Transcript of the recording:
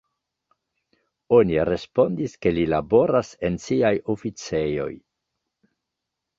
Oni respondis, ke li laboras en siaj oficejoj.